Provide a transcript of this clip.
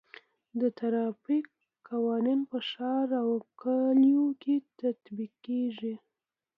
د ټرافیک قوانین په ښار او کلیو کې تطبیق کیږي.